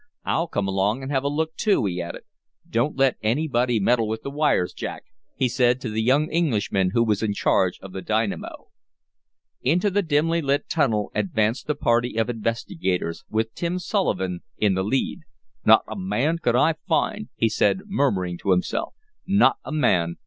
"I'll come along and have a look too," he added. "Don't let anybody meddle with the wires, Jack," he said to the young Englishman who was in charge of the dynamo. Into the dimly lit tunnel advanced the party of investigators, with Tim Sullivan in the lead. "Not a man could I find!" he said, murmuring to himself. "Not a man!